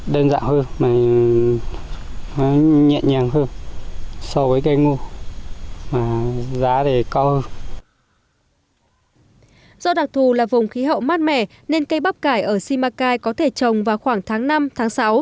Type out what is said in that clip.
do đặc thù là vùng khí hậu mát mẻ nên cây bắp cải ở simacai có thể trồng vào khoảng tháng năm tháng sáu